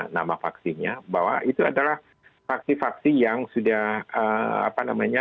nama vaksinnya bahwa itu adalah faksi faksi yang sudah apa namanya